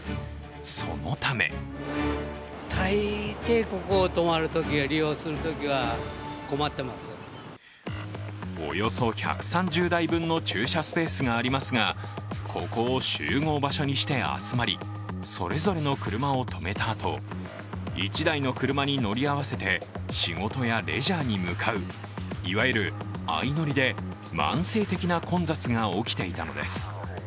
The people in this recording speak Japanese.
そのためおよそ１３０台分の駐車スペースがありますがここを集合場所にして集まり、それぞれの車を止めたあと１台の車に乗り合わせて仕事やレジャーに向かういわゆる相乗りで慢性的な混雑が起きていたのです。